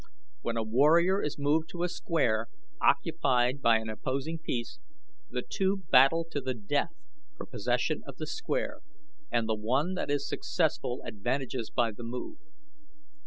"When a warrior is moved to a square occupied by an opposing piece, the two battle to the death for possession of the square and the one that is successful advantages by the move.